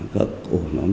các ổ nóng trộm